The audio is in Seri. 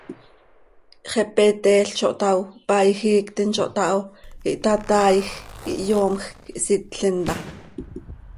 Xepe iteel zo htaao, paaij iictim zo htaho, ihtataaij, ihyoomjc, ihsitlim taa.